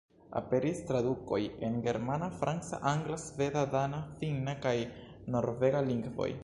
Aperis tradukoj en germana, franca, angla, sveda, dana, finna kaj norvega lingvoj.